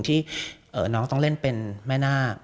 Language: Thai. ที่น้องต้องเล่นเป็นแม่นาค